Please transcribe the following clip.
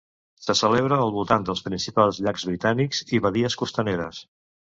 Se celebra al voltant dels principals llacs britànics i badies costaneres.